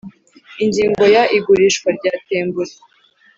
Ingingo ya igurishwa rya tembure